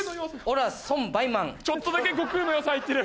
ちょっとだけ悟空の要素入ってる。